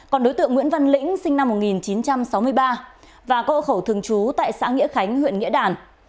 còn đối tượng nguyễn văn lĩnh sinh năm một nghìn chín trăm sáu mươi ba và có hộ khẩu thường trú tại xã nghĩa khánh huyện nghĩa đàn